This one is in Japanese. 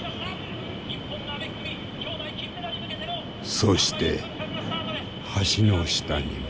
そして橋の下にも。